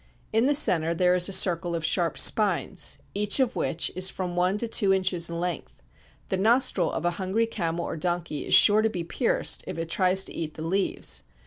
In the centre there is a circle of sharp spines, each of which is from one to two inches in length. The nostril of a hungry camel or donkey is sure to be pierced if it tries to eat the leaves.